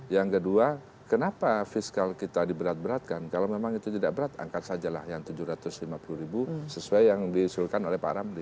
yang kedua kenapa fiskal kita diberat beratkan kalau memang itu tidak berat angkat sajalah yang rp tujuh ratus lima puluh ribu sesuai yang diusulkan oleh pak ramli